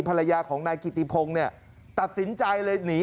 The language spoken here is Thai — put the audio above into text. ภรรยาของนายกิติพงศ์เนี่ยตัดสินใจเลยหนี